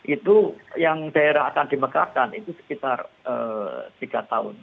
itu yang daerah akan dimegahkan itu sekitar tiga tahun